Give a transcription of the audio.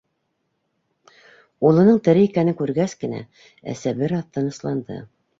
Улының тере икәнен күргәс кенә, әсә бер аҙ тынысланды.